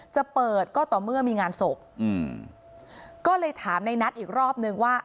จะเปิดก็ต่อเมื่อมีงานศพอืมก็เลยถามในนัทอีกรอบนึงว่า